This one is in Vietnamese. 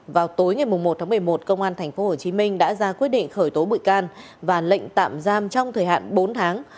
vào tối ngày một tháng một mươi một công an tp hcm đã ra quyết định khởi tố bị can và lệnh tạm giam trong thời hạn bốn tháng